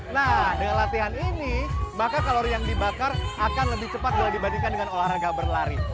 nah dengan latihan ini maka kalori yang dibakar akan lebih cepat bila dibandingkan dengan olahraga berlari